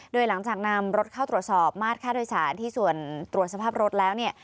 โดยหลังจากนำรถเข้าตรวจสอบมาตรค่าโดยสารที่ส่วนตรวจสภาพรถแล้วเนี่ย